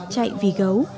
chạy vì gấu